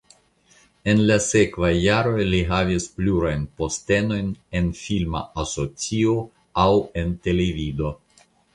En la sekvaj jaroj li havis plurajn postenojn en filma asocio aŭ en televido.